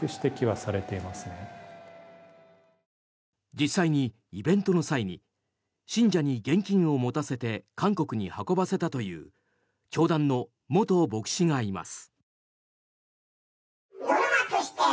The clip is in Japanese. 実際にイベントの際に信者に現金を持たせて韓国に運ばせたという教団の元牧師がいます。